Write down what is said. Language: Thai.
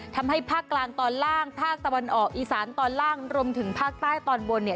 ทำให้ภาคกลางตอนล่างภาคตะวันออกอีสานตอนล่างรวมถึงภาคใต้ตอนบนเนี่ย